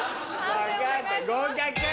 分かった合格。